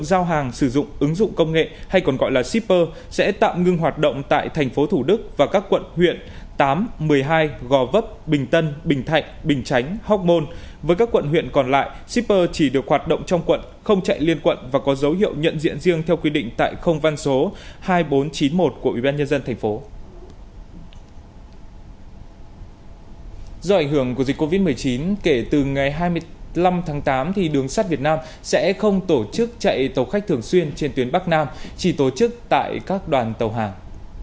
do ảnh hưởng của dịch covid một mươi chín kể từ ngày hai mươi năm tháng tám thì đường sắt việt nam sẽ không tổ chức chạy tàu khách thường xuyên trên tuyến bắc nam chỉ tổ chức tại các đoàn tàu hàng